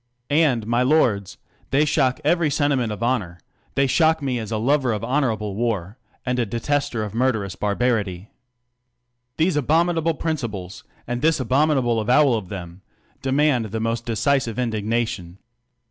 And, my ords, they shock every sentiment of honor; they shock me as a lover of honorable war, and a dctester of murder ous barbarity. u • o These abominable principles, and this more abomina ble avowal of them, demand the most decisive indigna tion.